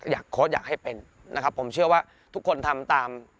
โค้ดอยากให้เป็นนะครับผมเชื่อว่าทุกคนทำตาม